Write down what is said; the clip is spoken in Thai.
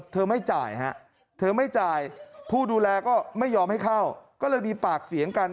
ไม่จ่ายฮะเธอไม่จ่ายผู้ดูแลก็ไม่ยอมให้เข้าก็เลยมีปากเสียงกัน